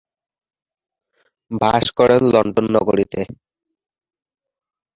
বাস করেন লন্ডন নগরীতে।